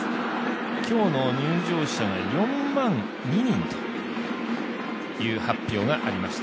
今日の入場者が４万２人という発表がありました。